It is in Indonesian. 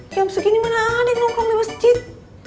jam segini mana adik nongkrong di masjid